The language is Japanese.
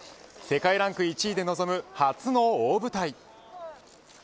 世界ランク１位で臨む初の大舞台。